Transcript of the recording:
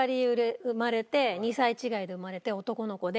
２歳違いで生まれて男の子で。